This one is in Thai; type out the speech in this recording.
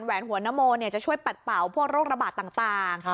แหนหัวนโมจะช่วยปัดเป่าพวกโรคระบาดต่าง